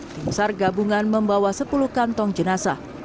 timsar gabungan membawa sepuluh kantong jenasa